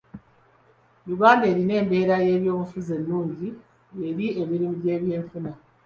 Uganda erina embeera y'ebyobufuzi ennungi eri emirimu egy'ebyenfuna.